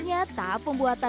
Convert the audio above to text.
ya bapak punya parallape